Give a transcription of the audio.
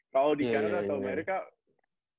kalau di kanada atau amerika